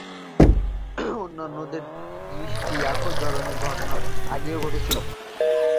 অন্যদের দ্বারা সৃষ্ট একই ধরনের ঘটনা আগেও ঘটেছিল।